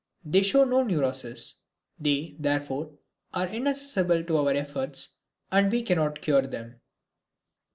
They show no neurosis. They, therefore, are inaccessible to our efforts and we cannot cure them.